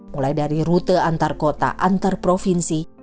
mulai dari rute antarkota antarprovinsi